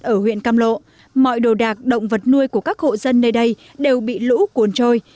ở huyện cam lộ mọi đồ đạc động vật nuôi của các hộ dân nơi đây đều bị lũ cuốn trôi